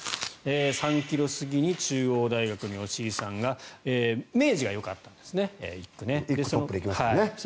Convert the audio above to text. ３ｋｍ過ぎに中央大学の吉居さんが明治がよかったんですね。